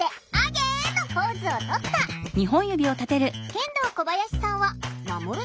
ケンドーコバヤシさんはまもる。